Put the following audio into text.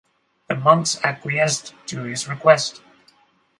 The monks acquiesced to his request.